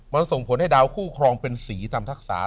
มันส่งผลให้ดาวคู่ครองเป็นสีตามทักษะ